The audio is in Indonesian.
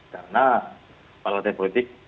karena partai politik